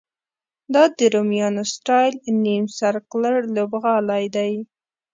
دا د رومیانو سټایل نیم سرکلر لوبغالی دی.